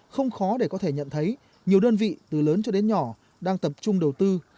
không khó để có thể nhận thấy nhiều đơn vị từ lớn cho đến nhỏ đang tập trung đầu tư